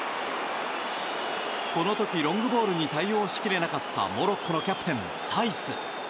この時、ロングボールに対応しきれなかったモロッコのキャプテン、サイス。